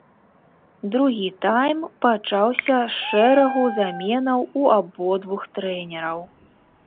Другі тайм пачаўся з шэрагу заменаў у абодвух трэнераў.